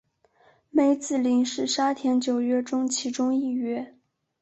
梅子林是沙田九约中其中一约。